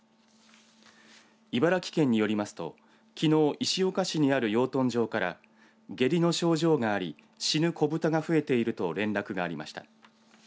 茨城県によりますときのう石岡市にある養豚場から下痢の症状があり死ぬ子ブタが増えていると連絡がありました。